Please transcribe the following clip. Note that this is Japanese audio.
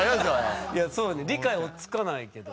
そうね理解追っつかないけど。